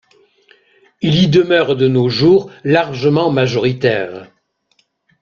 Il y demeure de nos jours largement majoritaire.